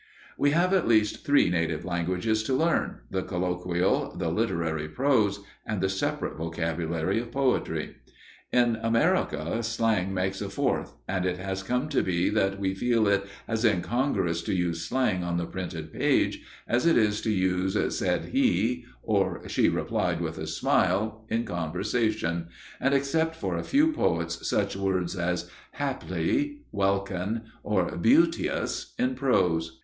We have at least three native languages to learn the colloquial, the literary prose, and the separate vocabulary of poetry. In America slang makes a fourth, and it has come to be that we feel it as incongruous to use slang on the printed page as it is to use "said he" or "she replied with a smile" in conversation, and, except for a few poets, such words as "haply," "welkin," or "beauteous" in prose.